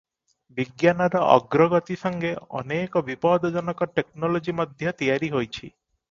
ବିଜ୍ଞାନର ଅଗ୍ରଗତି ସଙ୍ଗେ ଅନେକ ବିପଦଜନକ ଟେକନୋଲୋଜି ମଧ୍ୟ ତିଆରି ହୋଇଛି ।